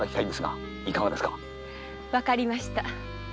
わかりました。